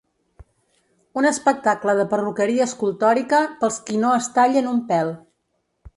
Un espectacle de perruqueria escultòrica pels qui no es tallen un pèl.